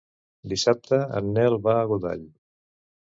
Dissabte en Nel va a Godall.